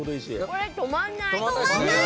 これ、止まらない！